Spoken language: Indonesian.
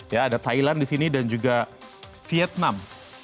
ya ada thailand di sini dan juga vietnam